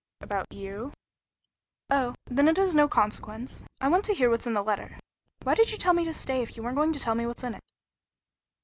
"About you." "Oh, then it is no consequence. I want to hear what's in the letter. Why did you tell me to stay if you weren't going to tell me what's in it?"